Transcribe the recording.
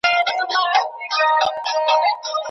د عاجزو خلکو ملګري د مغرورو کسانو په پرتله زیات دي.